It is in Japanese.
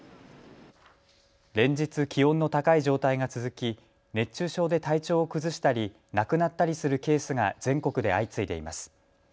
連日、気温の高い状態が続き熱中症で体調を崩したり亡くなったりするケースが全国で相次いでいます。